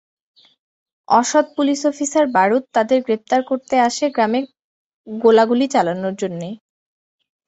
অসৎ police officer বারুদ তাদের গ্রেপ্তার করতে আসে গ্রামে গোলাগুলি চালানোর জন্যে।